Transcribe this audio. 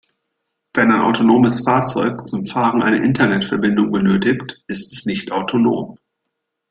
Wenn ein autonomes Fahrzeug zum Fahren eine Internetverbindung benötigt, ist es nicht autonom.